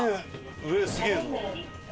上すげえぞ。